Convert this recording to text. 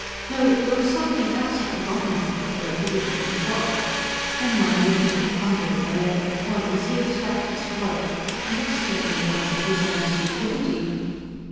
No, there was something else at the bottom of it; though he did not know what. Then one evening, pondering a letter of Polly's, he slapped his forehead and exclaimed aloud at his own stupidity.